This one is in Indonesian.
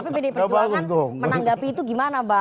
tapi pdi perjuangan menanggapi itu gimana mbak